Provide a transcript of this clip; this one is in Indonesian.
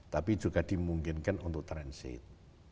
tapi juga dimungkinkan untuk transit